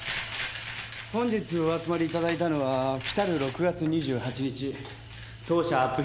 本日お集まりいただいたのは来る６月２８日当社アップ